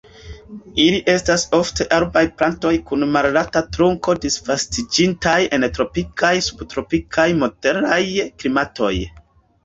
Ili estas ofte arbaj plantoj kun malalta trunko, disvastiĝintaj en tropikaj, subtropikaj, moderaj klimatoj.